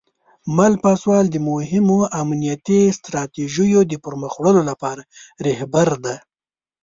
مل پاسوال د مهمو امنیتي ستراتیژیو د پرمخ وړلو لپاره رهبر دی.